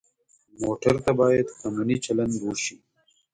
موټر ته باید قانوني چلند وشي.